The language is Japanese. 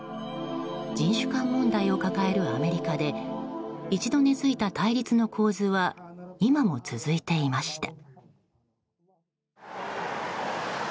人種間問題を抱えるアメリカで一度、根づいた対立の構図は今も続いていました。